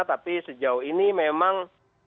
tapi sejauh ini memang